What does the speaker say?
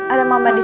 ada mama di sini